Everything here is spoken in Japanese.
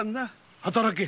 働け！